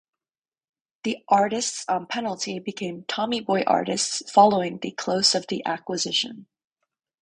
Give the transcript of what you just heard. The artists on Penalty became Tommy Boy artists following the close of the acquisition.